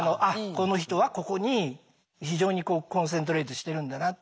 この人はここに非常にコンセントレイトしてるんだなって。